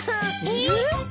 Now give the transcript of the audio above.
えっ？